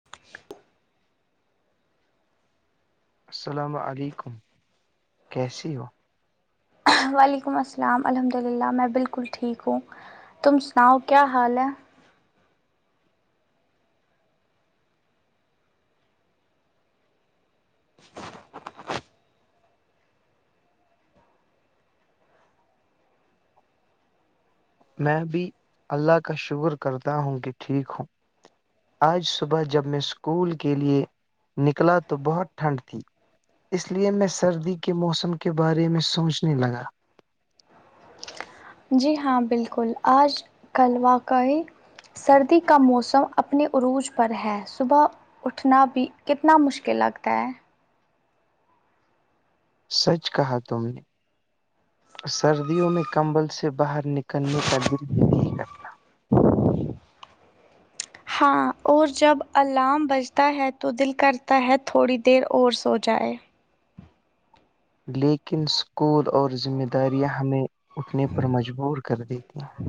[inaudible] السلام علیکم کیسی ہو وعلیکم السلام الحمد اللہ میں بالکل ٹھیک ہوں تم سناؤ کیا حال ہے میں بھی اللہ کا شکر کرتا ہوں کہ ٹھیک ہوں آج صبح جب میں اسکول کے لیے نکلا تو بہت ٹھنڈ تھی اس لیے میں سردی کے موسم کے بارے میں سوچنے لگا جی ہاں بالکل آج کل واقعی سردی کا موسم اپنے عروج پر ہے صبح اٹھنا بھی کتنا مشکل لگتا ہے سچ کہا تم نے سردیوں میں کمبل سے باہر نکلنے کا دل بھی نہیں کرتا ہاں اور جب الارم بجتا ہے تو دل کرتا ہے تھوڑی دیر اور سو جائے لیکن اسکول اور ذمہ داریاں ہمیں اٹھنے پر مجبور کر دیتی ہیں [inaudible]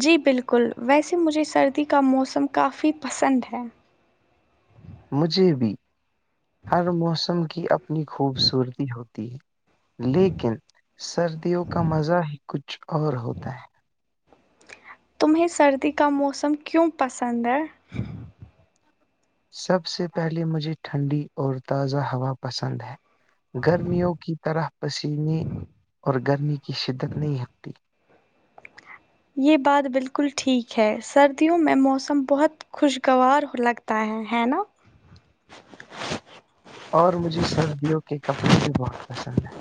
جی بالکل ویسے مجھے سردی کا موسم کافی پسند ہے مجھے بھی ہر موسم کی اپنی خوبصورتی ہوتی لیکن سردیوں کا مزہ ہی کچھ اور ہوتا ہے تمہیں سردی کا موسم کیوں پسند ہے سب سے پہلے مجھے ٹھنڈی اور تازہ ہوا پسند ہے گرمیوں کی طرح پسینے اور گرمی کی شدت نہیں ہٹتی یہ بات بالکل ٹھیک ہے سردیوں میں موسم بہت خوشگوار لگتا ہے ہے نا [unintelligible] اور مجھے سردیوں کے کپڑے بھی بہت پسند ہیں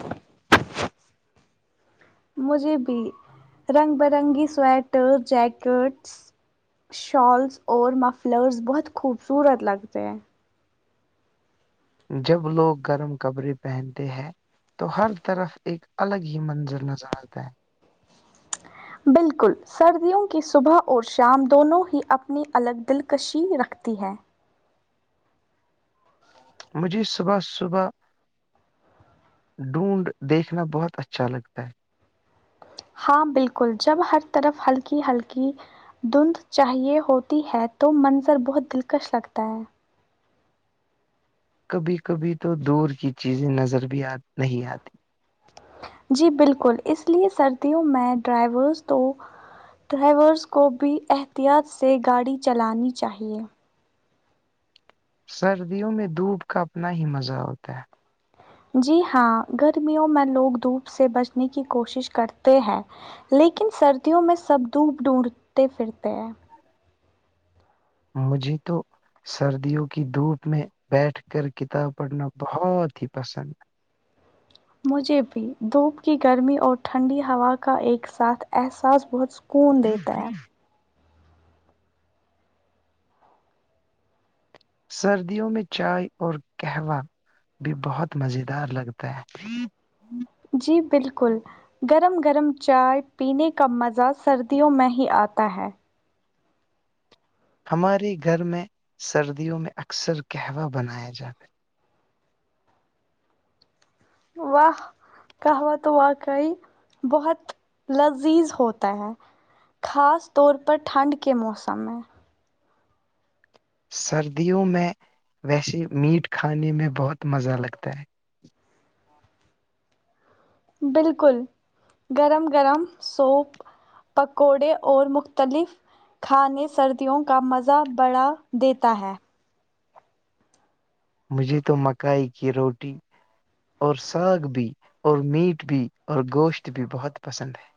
مجھے بھی رنگ برنگی سویٹر جیکٹس شالس اور ما فلورس بحہت خحوبصورت لگت ح جب لوگ گرم کپرے پہنتے ہیں تو ہر طرف ایک الگ ہی منظر نظر آتا ہے بالکل سردیوں کی صبح اور شام دونوں ہی اپنی الگ دلکشی رکھتی ہے مجھے صبح صبح ڈھونڈ دیکھنا بہت اچھا لگتا ہے ہاں بالکل جب ہر طرف ہلکی ہلکی دھندھ چاہیے ہوتی ہے تو منظر بہت دلکش لگتا ہے کبھی کبھی تو دور کی چیزیں نظر بھی آ نہیں آتی جی بالکل اس لیے سردیوں میں ڈرائیورس تو ڈرائیورس کو بھی احتیاط سے گاڑی چلانی چاہیے سردیوں میں دھوپ کا اپنا ہی مزہ ہوتا ہے جی ہاں گرمیوں میں لوگ دھوپ سے بچنے کی کوشش کرتے ہیں لیکن سردیوں میں سب دھوپ ڈھونڈتے پھرتے ہیں مجھے تو سردیوں کی دھوپ میں بیٹھ کر کتاب پڑھنا بہت ہی پسند مجھے بھی دھوپ کی گرمی اور ٹھنڈی ہوا کا ایک ساتھ احساس بہت کوون دیتا ہے سردیوں میں چائے اور قہوہ بھی بہت مزیدار لگتا ہے جی بالکل گرم گرم چائے پینے کا مزہ سردیوں میں ہی آتا ہے ہمارے گھر میں سردیوں میں اکثر قہوہ بنایا جاتا ہے واہ کہوہ تو واقعی بہت لذیذ ہوتا ہے خاص طور پر ٹھنڈ کے موسم میں سردیوں میں ویسے میٹ کھانے میں بہت مزہ لگتا ہے بالکل گرم گرم سوپ پکوڑے اور مختلف کھانے سردیوں کا مزہ بڑا دیتا ہے مجھے تو مکائی کی روٹی اور ساگ بھی اور میٹ بھی اور گوشت بھی بہت پسند ہے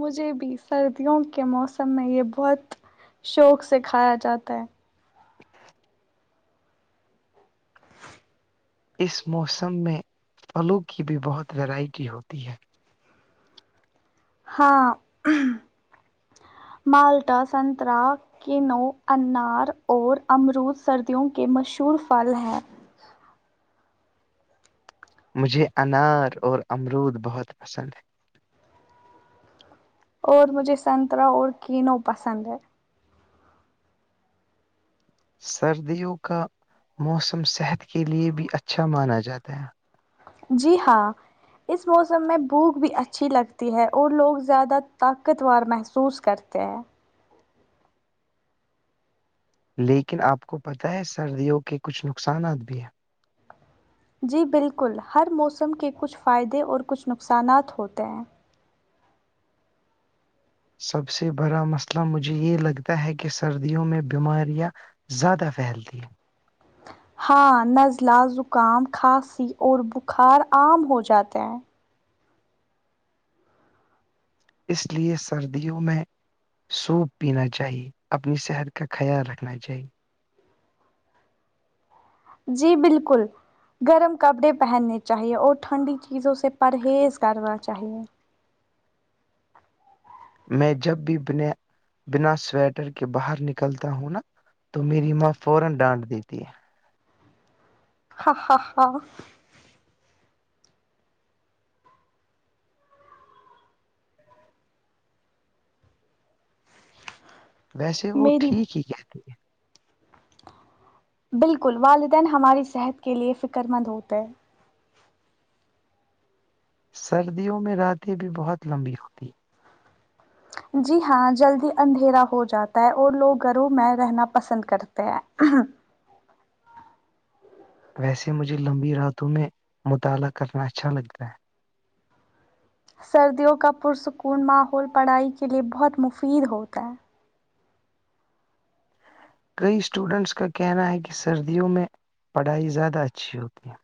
مجھے بھی سردیوں کے موسم میں یہ بہت شوق سے کھایا جاتا ہے اس موسم میں پھلوں کی بھی بہت ویرائٹی ہوتی ہے ہاں مالٹا سترہ کینو انار اور امرود سردیوں کے مشہور پھل ہیں مجھے انار اور امرود بہت پسند ہے اور مجھے سنترہ اور کینو پسند ہے سردیوں کا موسم صحت کے لیے بھی اچھا مانا جاتا ہے جی ہاں اس موسمیں بھوک بھی اچھی لگتیی ہے اور لوگ زیادہ طاقت ور محسوس کرتے ہیں لیکن آپ کو پتہ ہے سردیوں کے کچھ نقصانات بھی ہیں جی بالکل ہر موسم کے کچھ فائدے اور کچھ نقصانات ہوتے ہیں سب سے بڑا مسئلہ مجھے یہ لگتا ہے کہ سردیوں میں بیماریاں زیادہ پھیلتی ہے ہاں نزلہ زکام کھانسی اور بخار عام ہو جاتے ہیں اس لیے سردیوں میں سوپ پینا چاہیے اپنی صحت کا خیال رکھنا چاہیے جی بالکل گرم کپڑے پہننے چاہیے اور ٹھنڈی چیزوں سے پرہیز کرنا چاہیے میں جب بھی بنا بنا سویٹر کے باہر نکلتا ہوں نا تو میری ماں فورا ڈانٹ دیتی ہے ہاں ہا ہاں ویسے وہ میری ٹھیک ہی کہتی ہے بالکل والدین ہماری صحت کے لیے فکر مند ہوتے ہیں سردیوں میں راتیں بھی بہت لمبی ہوتی ہیں جی ہاں جلدی اندھیرا ہو جاتا ہے اور لوگ گھروں میں رہنا پسند کرتے ہیں ویسے مجھے لمبی راتوں میں مطالعہ کرنا اچھا لگتا ہے سردیوں کا پرسکون ماحول پڑھائی کے لیے بہت مفید ہوتا ہے کئی اسٹوڈنٹس کا کہنا ہے کہ سردیوں میں پڑھائی زیادہ اچھی ہوتی ہے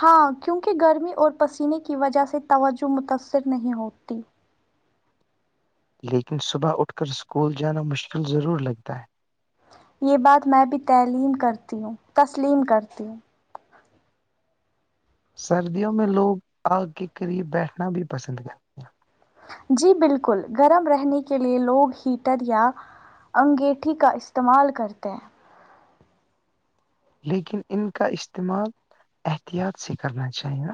ہاں کیونکہ گرمی اور پسینے کی وجہ سے توجہ متاثر نہیں ہوتی لیکن صبح اٹھ کر اسکول جانا مشکل ضرور لگتا ہے یہ بات میں بھی تعلیم کرتی ہوں تسلیم کرتی ہوں سردیوں میں لوگ آگ کے قریب بیٹھنا بھی پسند کرتے ہیں جی بالکل گرم رہنے کے لیے لوگ ہیٹر یا انگیٹھی کا استعمال کرتے ہیں لیکن ان کا استعمال احتیاط سے کرنا چاہیے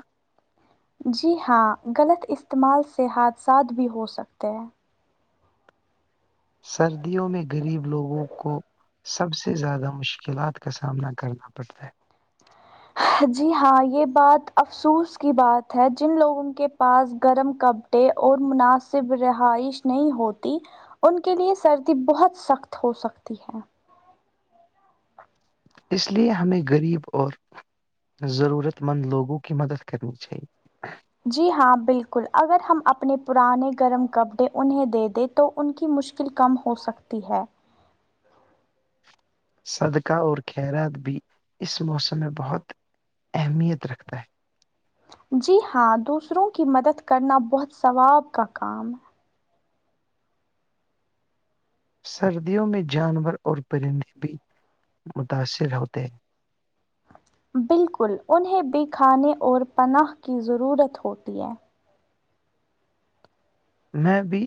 جی ہاں غلط استعمال سے حادثات بھی ہو سکتے ہیں سردیوں میں غریب لوگوں کو سب سے زیادہ مشکلات کا سامنا کرنا پڑتا ہے جی ہاں یہ بات افسوس کی بات ہے جن لوگوں کے پاس گرم کپ اور مناسب رہائش نہیں ہوتی ان کے لیے سردی بہت سخت ہو سکتی ہے اس لیے ہمیں غریب اور ضرورت مند لوگوں کی مدد کرنی چاہیے جی ہاں بالکل اگر ہم اپنے پرانے گرم کپڑے انہیں دے دیں تو ان کی مشکل کم ہو سکتی ہے صدقہ اور خیرات بھی اس موسم میں بہت اہمیت رکھتا ہے جی ہاں دوسروں کی مدد کرنا بہت ثواب کا کام ہے سردیوں میں جانور اور پرندے بھی متاثر ہوتے ہیں بالکل انہیں بھی کھانے اور پناہ کی ضرورت ہوتی ہے میں بھی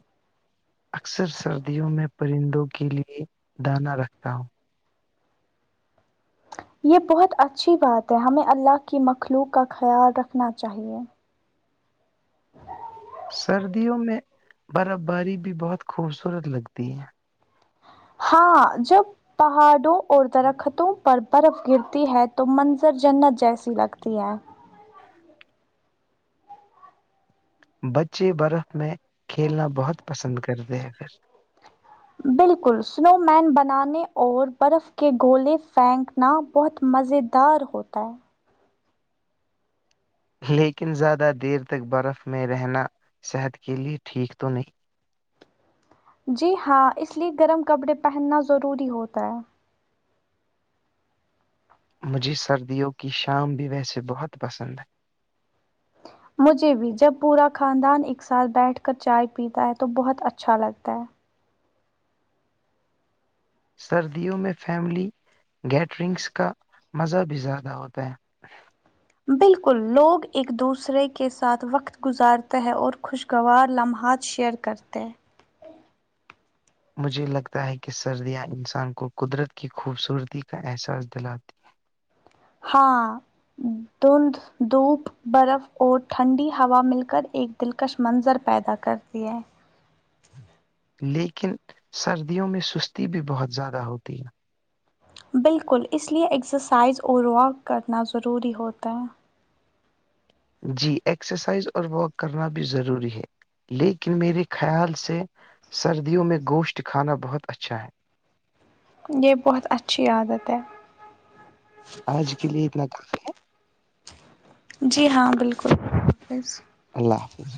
اکثر سردیوں میں پرندوں کے لیے دانہ رکھتا ہوں یہ بہت اچھی بات ہے ہمیں اللہ کی مخلوق کا خیال رکھنا چاہیے سردیوں میں برف باری بھی بہت خوبصورت لگتی ہے ہاں جب پہاڑوں اور درختوں پر برف گرتی ہے تو منظر جنت جیسی لگتی ہے بچے برف میں کھیلنا بہت پسند کرتے ہیں پھر بالکل سنو مین بنانے اور برف کے گولے فینک نا بہت مزیدار ہوتا ہے لیکن زیادہ دیر تک برف میں رہنا صحت کے لیے ٹھیک تو نہیں جی ہاں اس لیے گرم کپڑے پہننا ضروری ہوتا ہے مجھے سردیوں کی شام بھی ویسے بہت پسند ہے مجھے بھی جب پورا خاندان ایک ساتھ بیٹھ کر چائے پیتا ہے تو بہت اچھا لگتا ہے سردیوں میں فیملی گیٹرنگس کا مزہ بھی زیادہ ہوتا ہے بالکل لوگ ایک دوسرے کے ساتھ وقت گزارتے ہے اور خوشگوار لمحات شئر کرتے مجھے لگتا ہے کہ سردیاں انسان کو قدرت کی خوبصورتی کا احساس دلاتی ہاں دند دھوپ برف اور ٹھنڈی ہوا مل کر ایک دلکش منظر پیدا کرتی ہے لیکن سردیوں میں سستی بھی بہت زیادہ ہوتی ہے بالکل اس لیے ایکسرسائز اور واک کرنا ضروری ہوتا ہے جی ایکسرسائز اور واک کرنا بھی ضروری ہے لیکن میرے خیال سے سردیوں میں گوشت کھانا بہت اچھا ہے یہ بہت اچھی عادت ہے آج کے لیے اتنا کافی ہے جی ہاں بالکل اللہ حافظ